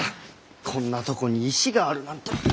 こんなとこに石があるなんて。